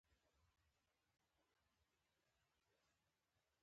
کېدای شي یو څوک په مرګ د ګواښلو له لارې کار ته مجبور کړو